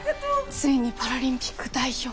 ついにパラリンピック代表